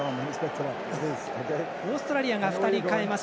オーストラリアが２人代えます。